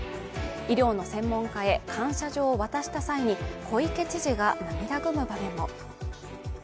医療の専門家へ感謝状を渡した際に、小池知事が涙ぐむ場面も。